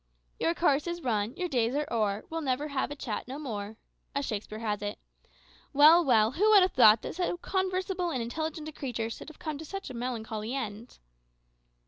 "`Your course is run, your days are o'er; We'll never have a chat no more,' "As Shakespeare has it. Well, well, who would have thought that so conversable and intelligent a creature should have come to such a melancholy end?"